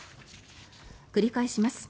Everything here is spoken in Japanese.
繰り返します。